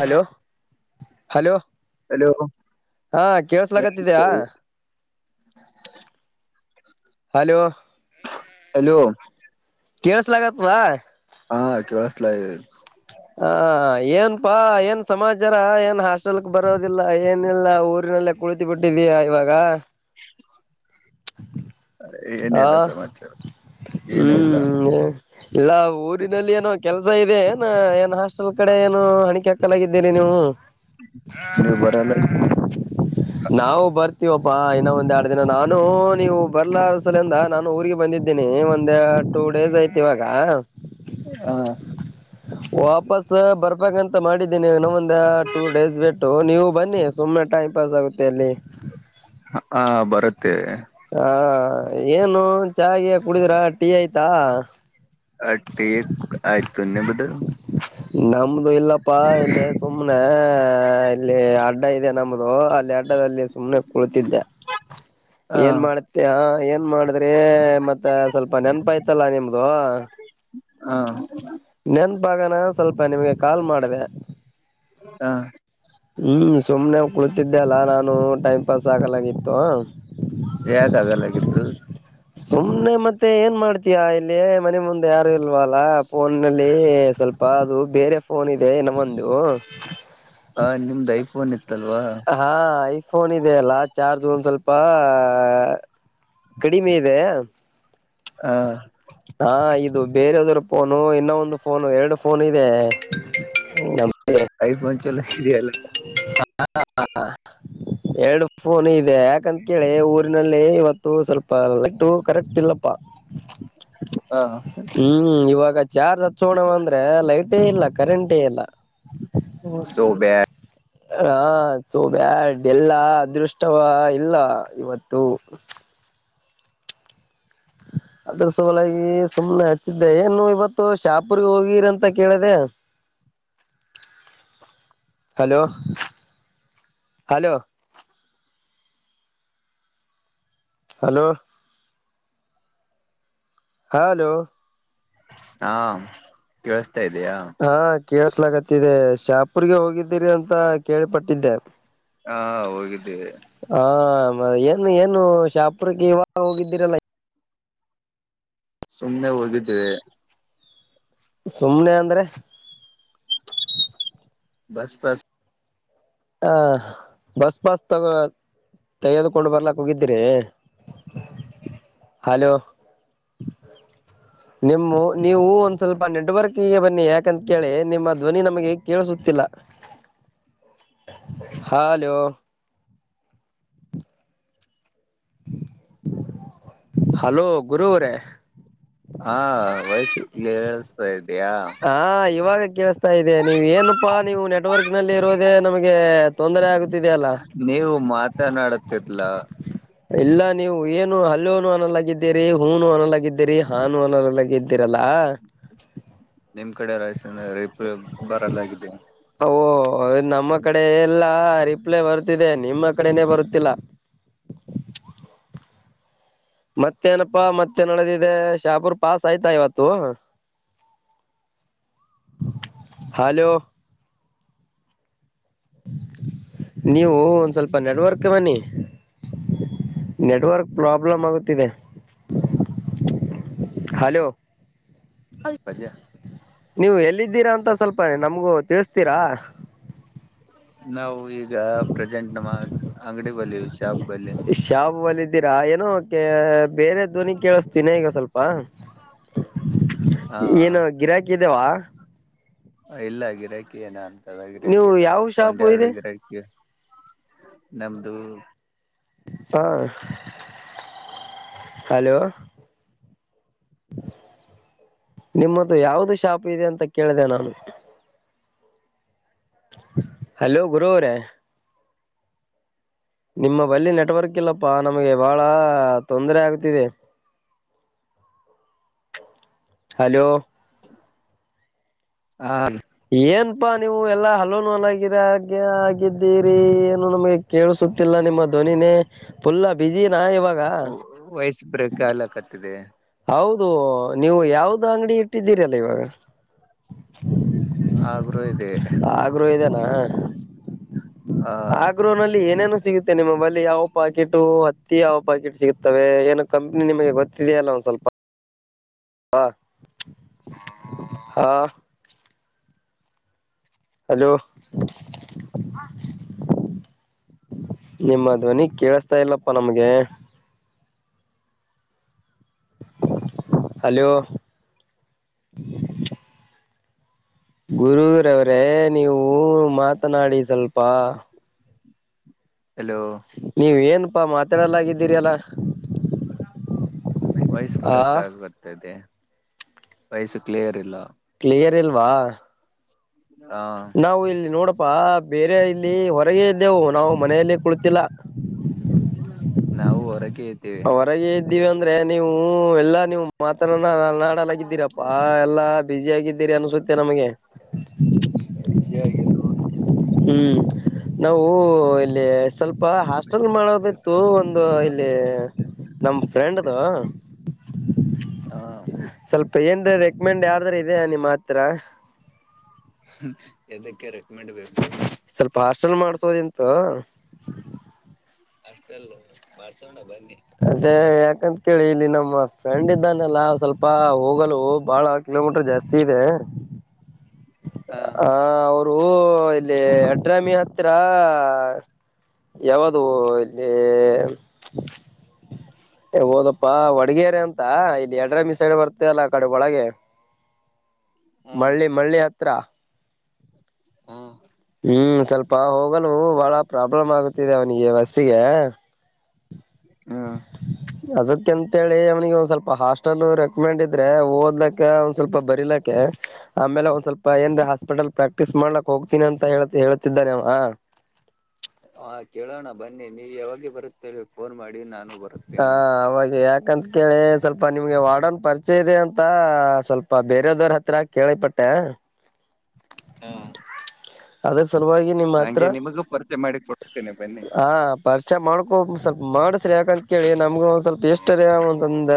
Hello hello hello ಹಾ ಕೇಳಸ್ಲಕತ್ತಿದ್ಯಾ hello hello ಕೇಸ್ಲಾಗತ್ವಾ ಹಾ ಕೇಳಸ್ಲ ಆ ಏನ್ ಪ್ಪಾ ಏನ್ ಸಮಾಚಾರ ಏನ್ ಹಾಸ್ಟೆಲ್ಕ್ ಬರೋದಿಲ್ಲ ಏನಿಲ್ಲ ಊರಿನಲ್ಲೆ ಕುಳಿತು ಬಿಟ್ಟಿದೀಯಾ ಇವಾಗ ಹ [inaudible] ಆ ಏನಿಲ್ಲಾ ಸಮಾಚಾರ ಏನ ಇಲ್ಲ ಹ್ಮ್ ಇಲ್ಲ ಊರಿನಲ್ಲಿ ಏನೋ ಕೆಲ್ಸ ಇದೆ ಏನ ಏ ಹಾಸ್ಟೆಲ್ ಕಡೆ ಏನು ಹಣಿಕೆ ಹಾಕಲಾಗಿದ್ದ ನೀನು ನೀವು ಬರಲ್ಲ ನಾವು ಬರ್ತೀವಪ್ಪಾ ಇನ್ನ ಒಂದ್ ಎರಡು ದಿನ ನಾನು ನೀವು ಬರ್ಲ ಸಲಿಂದ ನಾನು ಊರಿಗೆ ಬಂದಿದ್ದೇನೆ ಒಂದ ಟೂ ಡೇಸ್ ಐತಿ ಇವಾಗ ಹಾ ವಾಪಸ್ ಬರ್ಬೇಕಂತ ಮಾಡಿದ್ದೀನಿ ಇನ ಒಂದ ಟೂ ಡೇಸ್ ಬಿಟ್ಟು ನೀವು ಬನ್ನಿ ಸುಮ್ಮನೆ ಟೈಮ ಪಾಸ್ ಆಗುತ್ತೆ ಅಲ್ಲಿ ಹ ಬರುತ್ತೆ ಹಾ ಏನು ಚಹಾಗೆ ಕುಡಿದ್ರ ಟೀ ಐಯ್ತಾ ಅ ಟೀ ಆಯ್ತು ನಿಮ್ದು ನಮ್ದು ಇಲ್ಲಪ್ಪಾ ಇಲ್ಲಿ ಸುಮ್ನೆ ಇಲ್ಲಿ ಅಡ್ಡ ಇದೆ ನಮ್ದು ಅಲ್ಲಿ ಅಡ್ಡಾದಲ್ಲಿ ಸುಮ್ನೆ ಕುಳಿತಿದ್ದೆ ಹ ಏನ್ ಮಾಡುತೀಯ ಏ ಏನ್ ಮಾಡಿದ್ರಿ ಮತ್ತ ಸ್ವಲ್ಪ ನೆನಪಐತಲ್ಲ ನಿಮ್ದು ಹಾ ಭಾಗನ ಸ್ವಲ್ಪ ನಿಮ್ಗೆ ಕಾಲ್ ಮಾಡಿದೆ ಹಾ ಹ್ಮ್ ಸುಮ್ನೆ ಕುಳಿತಿದ್ದೆ ಅಲ್ಲಾ ನಾನು ಟೈಮ್ ಪಾಸ್ ಆಗಲಾಗಿತ್ತು ಯಾಕ ಆಗಲ್ಲಾಗಿತ್ತು ಸುಮ್ನೆ ಮತ್ತೆ ಏನ್ ಮಾಡ್ತೀಯಾ ಇಲ್ಲಿ ಮನೆ ಮುಂದೆ ಯಾರು ಅಲ್ವಲ್ಲ ಫೋನಲ್ಲಿ ಸ್ವಲ್ಪ ಅದು ಬೇರೆ ಫೋನ್ ಇದೆ ನಮ್ಮಂದು ಹ ನಿಮ್ದ್ ಐ ಫೋನ್ ಹಾ ಐಫೋನ್ ಇದೆ ಅಲ್ಲಾ ಚಾರ್ಜ್ ಒಂದ್ ಸ್ವಲ್ಪ ಪ್ಪಾ ಕಡಿಮೆ ಇದೆ ಹಾ ಹಾ ಇದು ಬೇರೆಯದ್ರ ಫೋನು ಇನ್ನೊ ಒಂದು ಫೋನು ಎರಡು ಫೋನ್ ಇದೆ ಓ ನಮ್ ಐಫೋನ್ ಚಲೋ ಇದೆಯಲ್ಲ ಹಾ ಹಾ ಎರಡು ಫೋನ್ ಇದೆ ಯಾಕಂತ ಕೇಳಿ ಊರಿನಲ್ಲಿ ಇವತ್ತು ಸ್ವಲ್ಪ ಲಟ್ಟು ಕರೆಂಟ್ ಇಲ್ಲಪ್ಪಾ ಹ ಹ್ಮ್ ಇವಾಗ ಚಾರ್ಜ್ ಹಚ್ಚೋಣವ ಅಂದ್ರೆ ಲೈಟೇ ಇಲ್ಲ ಕರೆಂಟೇ ಇಲ್ಲ ಸೊಬ್ಯಡ್ ಹ -ಸೋ ಬ್ಯಾಡ್ ಎಲ್ಲಾ ಅದೃಷ್ಟವ ಇಲ್ಲ ಇವತ್ತು. ಹ ಅದ್ರ ಸಲಾಗಿ ಸುಮ್ನೆ ಹಚ್ಚಿದ್ದೆ ಏನು ಇವತ್ತು ಶಾಪುರ್ಗೆ ಹೋಗಿರಿ ಅಂತ ಕೇಳಿದೆ. ಹ್ಹ ಹಲೋ ಹಲೋ ಹಲೋ ಹ -ಹಲೋ ಹಾ- ಕೇಳಿಸ್ತಾ ಇದೆಯಾ. ಹಾ ಕೇಳಸ್ಲಾಗತ್ತಿದೆ ಶಾಪುರ್ಗೆ ಹೋಗಿದ್ದೀರಿ ಅಂತ ಕೇಳಿಪಟ್ಟಿದ್ದೆ. ಹಾ- ಹೋಗಿದ್ದೇ ಏನು ಏನು ಶಾಪುರಕ್ಕೆ ಇವಾಗ ಹೋಗಿದ್ದೀರಲ್ಲ. ಸುಮ್ಮನೆ ಹೋಗಿದ್ದಿದೆ. ಸುಮ್ನೆ ಅಂದ್ರೆ. ಬಸ್ ಬಸ್ ಹಾ -ಬಸ್ ಪಾಸ್ ತಗೊಳ. ತೆಗೆದುಕೊಂಡು ಬರ್ಲಕ್ ಹಗಿದ್ದೀರಿ. ಹಲೋ ನಿಮ್ಮ ನೀವು ಒಂದ್ ಸ್ವಲ್ಪ ನೆಟ್ವರ್ಕ್ ಗೆ ಬನ್ನಿ ಯಾಕಂತ ಕೇಳಿ ನಿಮ್ಮ ಧ್ವನಿ ನಮಗೆ ಕೇಳಸುತ್ತಿಲ್ಲ. ಹಾ -ಹಲೋ ಹಲೋ ಗುರು ಅವರೇ ಹಾ -ವಯಸ್ ಕೇಳ್ಸ್ತಾ ಇದ್ದು. ಹಾ- ಇವಾಗ ಕೇಳಸ್ತಾ ಇದೆ ನೀವ್ ಏನಪ್ಪಾ ನೀವು ನೆಟ್ವರ್ಕ್ ನಲ್ಲಿ ಇರೋದೇ ನಮ್ಗೆ. ನೀವು ಮಾತನಾಡತಿರ್ಲಾ. ಇಲ್ಲ ನೀವು ಏನು ಹಲ್ಲುವನು ಅನ್ನಲಾಗಿದ್ದೀರಿ ಹೂನು ಅನ್ನಲಾಗಿದ್ದೀರಿ ಹಾನು ಅನ್ನಾಗಿದ್ದರಿ. ರಲ್ಲ ನಿಮ್ ಕಡೆ ರಾಯಸ ರೇಪ್ ಬರಲ್ಲಾಗಿದೆ. ಓ ನಮ್ಮ ಕಡೆ ಎಲ್ಲಾ ರಿಪ್ಲೈ ಬರ್ತಿದೆ ನಿಮ್ಮ ಕಡೆನೆ ಬರುತ್ತಿಲ್ಲ. ಮತ್ತೆನಪ್ಪಾ ಮತ್ತೆ ನಡೆದಿದೆ ಶಾಪೂರ್ ಪಾಸ್ ಆಯ್ತಾ ಇವತ್ತು. ಹಲೋ ನೀವು ಒಂದ್ ಸ್ವಲ್ಪ ನೆಡ್ವರ್ಕ್ ಬನ್ನಿ. ನೆಟ್ವರ್ಕ್ ಪ್ರಾಬ್ಲಮ್ ಆಗುತ್ತಿದೆ. ಹಲೋ ಅ -ಪದ ನೀವು ಎಲ್ಲಿದ್ದೀರಾ ಅಂತ ಸ್ವಲ್ಪ ನಮ್ಗೂ ತಿಳಿಸತೀರಾ. ನಾವು ಈಗ ಪ್ರೆಸೆಂಟ್ ನಮ್ಮ ಅಂಗಡಿ ಬಲಿ ವಿಷ- ಶಾವ ಅಲ್ಲ ಇದಿದ್ದೀರಾ ಏನೋ ಬೇರೆ ಧ್ವನಿ ಕೇಳಸ್ತ ಚಿನ ಈಗ ಸ್ವಲ್ಪ ಹಾ ಏನು ಗಿರಾಕಿ ಇದಾವ ಇಲ್ಲ ಗಿರಾಕಿ ಏನ ಅಂತದ ಗಿರಾಕಿ ನೀವು ಇಲ್ಲ ಯಾವ ಶಾಪು ಒಂದೆರಡು ಇದೆ ಗಿರಾಕಿ. ನಮ್ದು ಹಾ- ಹಲೋ ನಿಮ್ಮ್ದ ಯಾವ್ದು ಶಾಪ್ ಇದೆ ಅಂತ ಕೇಳಿದೆ ನಾನು. ಹಲೋ ಗುರು ಅವರೇ ನಿಮ್ಮ ಬಲ್ಲಿ ನೆಟ್ವರ್ಕ್ ಇಲ್ಲಪ್ಪಾ ನಮಗೆ ಬಾಳ ತೊಂದರೆ ಆಗ್ತಿದೆ‌. ಹಲೋ ಹ ಏನಪಾ ನೀವು ಎಲ್ಲಾ ಹಲೋನು ಹಲಗಿರಗೆ ಆಗಿದ್ದಿ [unintelligible] ಏನು ನಮಗೆ ಕೇಳಿಸುತ್ತಿಲ್ಲ ನಿಮ್ಮ ಧ್ವನಿನೇ ಫುಲ್ಲ ಬಿಸಿನ ಇವಾಗ. ವಯಸ್ ಬ್ರೇಕ್ ಆಗ್ಲಕತ್ತಿದೆ ಹೌದು ನೀವು ಯಾವ್ದು ಅಂಗಡಿ ಇಟ್ಟಿದ್ದೀರಿ ಅಲ್ಲ ಇವಾಗ. ಆಗ್ರೂ ಇದೆ. ಆ ಗ್ರೋಹ ಇದೇನಾ ಹ ಆ ಗ್ರೋಹ್ನಲ್ಲಿ ಏನೇನು ಸಿಗುತ್ತೆ ನಿಮ್ಮ ಬಳಿ ಯಾವ ಪಾಕೆಟು ಹತ್ತಿ ಯಾವ ಪಾಕೆಟ್ ಸಿಗುತ್ತವೆ ಏನೋ ಕಂಪ್ನಿ ನಿಮಗೆ ಗೊತ್ತಿದೆಯ ಅಲ್ಲ ಸ್ವಲ್ಪ ಹಾ ಹಾ ಹಲೋ ನಿಮ್ಮ ಧ್ವನಿ ಕೇಳಸ್ತಾ ಇಲ್ಲಪ್ಪಾ ನಮ್ಗೆ ಹಲೋ ಗುರುರವ್ರೆ ನೀವು ಮಾತನಾಡಿ ಸ್ವಲ್ಪ ಹಲೋ ನೀವ ಏನಪಾ ಮಾತಾಡಲ್ಲಾಗಿದ್ದೀರಿ ಅಲ್ಲಾ ವಯಸ ಆ ಬ್ರಕ್ಕ ಆಗ್ ಬರ್ತದೆ ವಯಸು ಕ್ಲಿಯರ್ ಇಲ್ಲ ಕ್ಲಿಯರ್ ಇಲ್ವಾ ಹ ನಾವು ಇಲ್ಲಿ ನೋಡಪ್ಪಾ ಬೇರೆ ಇಲ್ಲಿ ಹೊರಗೆ ಇದ್ದೆವು ನಾವು ಮನೆಯಲ್ಲಿ ಕುಳತಿಲ್ಲ ನಾವು ಹೊರಗೆ ಇದ್ದೇವೆ ಹೊರಗೆ ಇದ್ದೀವಿ ಅಂದ್ರೆ ನೀವು ಹ ಎಲ್ಲಾ ನೀವು ಮಾತ್ರ ಅ ನಾಡಲ್ಲಾಗಿದ್ದೀರಪ್ಪಾ ಎಲ್ಲಾ ಬಿಸಿ ಆಗಿದ್ದೀರಿ ಅನ್ಸುತ್ತೆ ನಮಗೆ [inaudible] ಬಿಜಿ ಆಗ ಹ್ಮ್ ನಾವು ಇಲ್ಲಿ ಸ್ವಲ್ಪ ಹ ಮಾಡದಿತ್ತು ಒಂದು ಇಲ್ಲಿ ನಮ್ ಫ್ರೆಂಡ್ದ ಹಾ ಸ್ವಲ್ಪ ಏನ್ ರೆಕಮೆಂಡ್ ಯಾರ್ದ್ರ ಇದೆಯ ನಿಮ್ಮ ಹತ್ರ ಎದಕ್ಕೆ ರೆಕ್ ಮಾಡೆಂಡ್ಬೇಕು ಸ್ವಲ್ಪ ಹಾರ್ಸ್ಟೆಲ್ ಮಾಡ್ಸೋದಿಂತ ಅಷ್ಟ ಅಲ್ಲ ಮಾಡ್ಸೊಂಡ ಬನ್ನ ಅದೆ ಅಂತ ಕೇಳಿ ಇಲ್ಲಿ ನಮ್ಮ ಫ್ರೆಂಡ್ ಇದ್ದಾನೆಲ್ಲ ಸ್ವಲ್ಪ ಹೋಗಲು ಬಾಳ ಕಿಲೋಮೀಟರ್ ಜಾಸ್ತಿ ಇದೆ ಹಾ ಅವದು ಅವರು ಇಲ್ಲಿ ಅಡ್ರಾಮಿ ಹತ್ರ ಯಾವ್ದ ಇಲ್ಲಿ ಹೋದಪ್ಪಾ ಒಡಗೇರೆ ಅಂತ ಇಲ್ಲಿ ಎಡ್ರಮ್ಮಿ ಸೈಡ್ ಬರ್ತ ಇ ಎಲ್ಲ ಕಡೆ ಒಳಗೆ ಹಾ ಮಳ್ಳಿ ಮಳ್ಳಿ ಹತ್ರ ಹಾ ಹ್ಮ್ ಸ್ವಲ್ಪ ಹೋಗೋನು ಬಹಳ ಪ್ರಾಬ್ಲಮ್ ಆಗುತ್ತಿದೆ ಅವನಿಗೆ ಬಸ್ಸಿಗೆ ಹ್ಮ ಅದಕಂತೇಳಿ ಅವನಿಗೆ ಒಂದ್ ಸ್ವಲ್ಪ ಹಾಸ್ಟೆಲ್ ರೆಕಮೆಂಡ್ ಇದ್ರೆ ಓದ್ಲಕ್ಕ ಒಂದ್ ಸ್ವಲ್ಪ ಬರಿಲಕ್ಕ ಆಮೇಲೆ ಒಂದ್ ಸ್ವಲ್ಪ ಏನ್ ಹಾಸ್ಪಿಟಲ್ ಪ್ರಾಕ್ಟೀಸ್ ಮಾಡ್ಲಕ್ ಹೋಗ್ತೀನಿ ಅಂತ ಹ ಹೇಳ್ತಿದ್ದಾನೆವ [inaudible] ಹಾ ಕೇಳೋಣ ಬನ್ನಿ ನೀವು ಯಾವಾಗೆ ಬರುತ್ತೆ ಫೋನ್ ಮಾಡಿ ನಾನು ಹಾ ಬರುತ್ತೇನೆ ಅವಾಗ ಯಾಕಂತ ಕೇಳಿ ಸ್ವಲ್ಪ ನಿಮ್ಗೆ ವಡೋನ್ ಪರಿಚಯ ಇದೆ ಅಂತ ಸ್ವಲ್ಪ ಪಪ್ಪಾ ಬೇರದವ್ರ ಹತ್ರ ಕೇಳಿಪಟ್ಟ ಹ್ಮ ಅದ್ರ ಸಲುವಾಗಿ ನಿಮ್ಮ್ ಹತ್ರ ಹಂಗೆ ನಿಮಗೂ ಪರಿಚೆ ಮಾಡಿ ಕೊಡ್ತೇನೆ ಬನ್ನಿ ಹಾ ಪರಿಚಯ ಮಾಡ್ಕೊ ಸ್ವಲ್ಪ ಮಾಡಸ್ರಿ ಯಾಕಂತ ಕೇಳಿ ನಮ್ಗ ಒಂದ್ ಸ್ವಲ್ಪ ಇಷ್ಟರ ಒಂದೊಂದ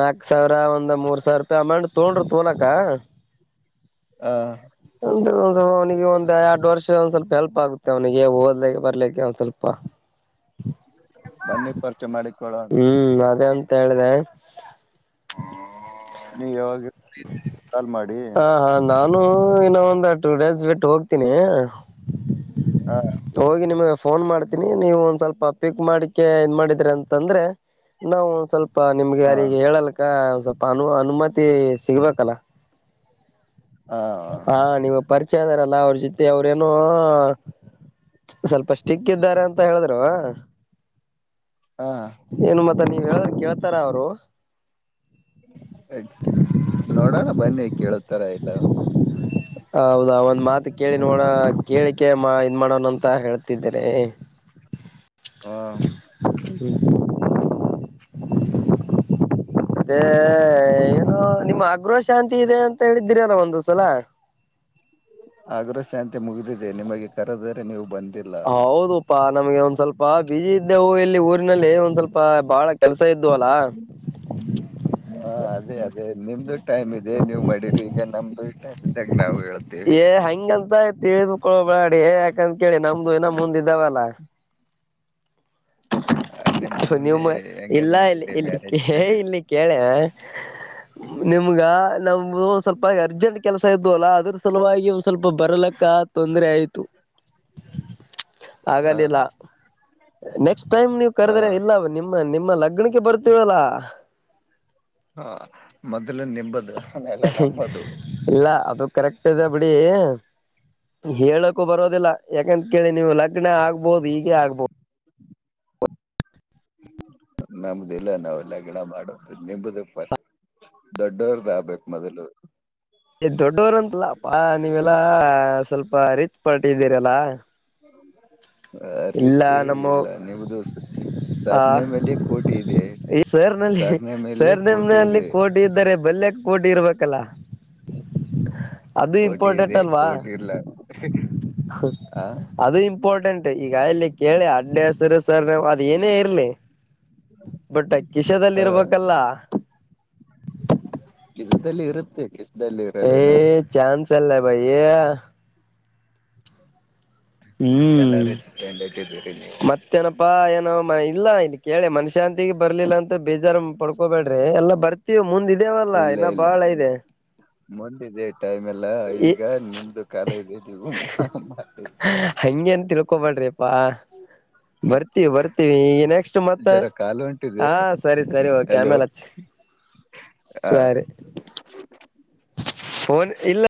ನಾಕ್ ಸಾವಿರ ಒಂದ ಮೂರ್ ಸಾವಿರ ರೂಪಾಯಿ ಅಮೌಂಟ್ ತೊಂಡ್ರರು ತೋಲಕ ಹಾ ಒಂದು ಒಂದ್ ಅವನಿಗೆ ಒಂದಂದು ಎರಡು ವರ್ಷ ಒಂದ್ ಸ್ವಲ್ಪ ಎಲ್ಪ್ ಆಗುತ್ತೆ ಅವನಿಗೆ ಓದ್ಲಿಕ್ಕೆ ಬರ್ಲಿಕ್ಕೆ ಒಂದ್ ಸ್ವಲ್ಪ ಹ್ಮ [inaudible] ಬನ್ನಿ ಪರ್ಚೆ ಮಾಡಿ ಹ್ಮ್ ಅದೇ ಅಂತ ಹೇಳಿದೆ ನೀ ಯಾವಾಗ ಕಾಲ್ ಮಾಡಿ ಇ ಇನ್ನ ಒಂದು ಟೂ ಡೇಸ್ ಬಿಟ್ಟ ಹೋಗ್ತೀನಿ ಹ ಹೋಗಿ ನಿಮಗೆ ಫೋನ್ ಮಾಡ್ತೀನಿ ನೀವು ಒಂದ್ ಸ್ವಲ್ಪ ಪಿಕ್ ಮಾಡಿಕ ಏನ್ ಮಾಡಿದ್ರಿ ಅಂತಂದ್ರೆ ನಾವು ಒಂದ್ ಸ್ವಲ್ಪ ಸ್ ನಿಮ್ಗೆ ಹ ಅರಿಗೆ ಹೇಳಲ್ಕ್ಕ ಸ್ವಲ್ಪ ಅನು ಅನುಮತಿ ಸಿಗ್ಬೇಕಲ್ಲ ಹ ಹಾ ನೀವ ಪರಿಚಯದಾರಲ್ಲ ಅವ್ರ ಜೊತೆ ಅವ್ರೇನೋ ಸ್ವಲ್ಪಷ್ಟ್ಟಿಕ್ಕ್ದಾರೆ ಅಂತ ಹೇಳಿದ್ರು ಹಾ ಮ ನೀವ್ ಹೇಳ್ರ ಕೇಳ್ತಾರ ಅವರು ಅ ನೋಡೋಣ ಬನ್ನಿ ಕೇಳೋತರ ಇಲ್ಲ ಹೌದಾ ಒಂದ್ ಮಾತು ಕೇಳಿ ನೋಡ ಕೇಳಿಕೆ ಮಾ ಇನ್ ಮಾಡೋಣ ಅಂತ ಹೇಳ್ತಿದ್ದೇನೆ ಹಾ ಹ್ಮ ದೆ ಏನ ನಿಮ್ಮ ಅಗ್ರ ಶಾಂತಿ ಇದೆ ಅಂತ ಹೇಳಿದ್ದೀರಲ್ಲ ಒಂದುಸಲ ಆಗ್ರ ಶಾಂತಿ ಮುಗಿದಿದೆ ನಿಮಗೆ ಕರೆದರೆ ನೀವು ಬನ್ನಿ ಹೌದುಪ್ಪಾ ನಮ್ಗೆ ಒಂದ್ ಸ್ವಲ್ಪ ಬಿಜಿ ಇದ್ದೆವು ಇಲ್ಲಿ ಊರಿನಲ್ಲಿ ಒಂದ್ ಸ್ವಲ್ಪ ಬಾಳ ಕೆಲ್ಸ ಇದ್ದು ಅಲ್ಲ ಹಾ ಅದೇ ಅದೇ ನಿಮ್ದು ಟೈಮ್ ಇದೆ ನೀವು್ ಮಾಡಿರಿ ಈಗ ನಮ ಹಂಗ ಏ ಹಂಗಂತ ಆಯ್ತ ತಿಳಿದುಕೊಳ್ಳೋಬಾಡಿ ಯಾಕಂತ ಕೇಳಿ ನಮ್ದು ಇನ್ನ ಮುಂದಿದ್ದಾವಲ್ಲ ನಿಮ್ದು ನೀವು ಮುಂದೆ ಇಲ್ಲ ಎಂಗೇಜ್ಮೆಂಟ್ ಇಲ್ಲಿ ಇದೆ ಇಲ್ಲಿ ಮ್ಯಾರೇಜ್ ಇದೆ ಇಲ್ಲಿ ಕೇಳೆ ನಿಮ್ಗ ನಮು ಸ್ವಲ್ಪ ಅರ್ಜೆಂಟ್ ಕೆಲ್ಸ ಇದ್ದು ಅಲ್ಲಾ ಅದು ಸುಲುವಾಗಿ ಒಂದ್ ಸ್ವಲ್ಪ ಬರ್ಲಕ್ಕ ತೊಂದ್ರ ಆಯ್ತು ಹ ಹಾಗಗಲಿಲ್ಲ ನೆಕ್ಸ್ಟ್ ಟೈಮ್ ನೀವು್ ಹ ಕರೆದ್ರೆ ಇಲ್ಲ ನಿಮ್ಮ ನಿಮ್ಮ ಲಗ್ನಕ್ಕೆ ಬರ್ತೀವ ಅಲ್ಲಾ ಹಾ ಮೊದ್ಲ ನಿೆಂಬದು ಇಲ್ಲ ಅದ ಕರೆಕ್ಟ್ ಇದೆ ಬಿಡಿ ಹೇಳಕು ಬರೋದಿಲ್ಲ ಯಾಕಂತ ಕೇಳಿ ನೀವು ಲಗ್ನ ಆಗ್ಬಹದು ಹೀಗೆ ಆಗ್ಬೋದು ನಮ್ದಿಲ್ಲ ನಾವೆಲ್ಲ ಗಣ ಮಾಡ ನಿಂಬುದ ಪರ್ ದೊಡ್ಡವರ್ದ ಆಗ್ಬೇಕಕ್ ಮದಲು ಎ್ ದೊಡ್ಡವರಂತಲ್ಲಪ್ಪಾ ನೀವೆಲ್ಲಾ ಸ್ವಲ್ಪ ರಿಚ್ ಪಾರ್ಟಿ ಇದ್ದೀರಲ್ಲಾ ಸರಿ ಸರಿ ನಮ್ಮ ಇಲ್ಲ ನೀವು ದೋಸ ಆ ಸರ್ನೆ ಮಲೆ ಕೋಟಿ ಇದೆ ಈ ಸರ್ನಲ್ಲಿ ಸರ್ನೆ ಮೇಲೆ ಸರ್ ಕೋಟಿ ನಿಮ್ನಲ್ಲಿ ಇದೆ ಕೋಟಿ ಇದ್ದಾರೆ ಬಲ್ಯಕ್ ಕೋಟಿ ಇರ್ಬೇಕಲ್ಲ ಅದು ಕೋಟಿ ಇಂಪಾರ್ಟೆಂಟ್ ಇದೆ ಅಲ್ವಾ ಕೋಟಿ ಇಲ್ಲ ಆ ಅದು ಇಂಪಾರ್ಟೆಂಟ್ ಈಗ ಇಲ್ಲಿ ಕೇಳಿ ಅಡ್ಡ ಹೆಸರು ಸರ್ ನವು ಅದ ಏನೇ ಇರ್ಲಿ ಬಟ್ ಕಿಶದಲ್ಲಿ ಹ ಇರ್ಬೇಕಲ್ಲ ಕಸದಲ್ಲಿ ಇರುತ್ತೆ ಕಸದಲ್ಲಿ ಇರಲ್ಲ ಏನುೋ ಚಲ್ಲ ಬಯ ಎಲ್ಲ ಹ್ಮ್ ರೀತಿ ಕಂಡ ಇಟ್ಟಿದ್ದೀರಿ ನೀವು ನಾ್ ಇಲ್ಲ ಇಲ್ಲಿ ಕೇಳಿ ಮನಶಾಂತಿಗೆ ಬರ್ಲಿಲ್ಲ ಅಂತ ಬೇಜಾರು ಪಡ್ಕೋಬೇಡ್ರಿ ಎಲ್ಲಾ ಬರ್ತೀವಿ ಮುಂದ ಇದ ಇದೇವಲ್ಲ ಇಲ್ಲ ಇನ್ನ ಇಲ್ಲ ಬಾಳ ಇದೆ ಮುಂದಿದೆ ಟೈಮ್ ಎಲ್ಲ ಈ ಈಗ ನಿಮ್ದು ಕಾಲ ಇದೆ ನೀವು ಹಂಗಗೆನ್ ತಿಳ್ಕೊಬಾಡ್ರಿ ಅಪ್ಪಾ ಬರ್ತೀವಿ ಬರ್ತೀವಿ ಈಗ ನೆಕ್ಸ್ಟ್ ಮತ್ತ ಜರ ಕಾಲು ಹೊಂಟಿದೆ ಹ ಸರಿ ಸರಿ ಹಲೋ ಕೆಮೇಲೆಚ್ಚ ಹ ಸರಿ ಫೋನ್ ಇಲ್ಲ